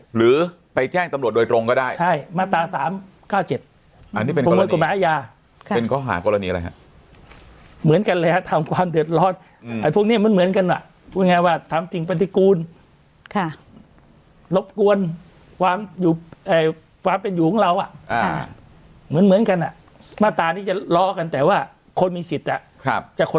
เหมือนกันอะมาตรานี้จะลอกันแต่ว่าคนมีศิษย์อ่ะครับจะคน